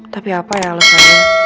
tapi apa ya alasannya